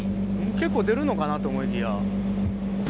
結構出るのかなと思いきや。